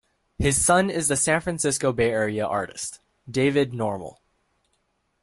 His son is the San Francisco Bay Area artist, David Normal.